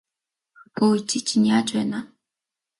Хөөе чи чинь яаж байна аа?